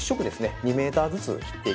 ２ｍずつ切っていきます。